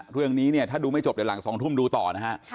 เรื่องนี้เนี่ยถ้าดูไม่จบเดี๋ยวหลัง๒ทุ่มดูต่อนะฮะ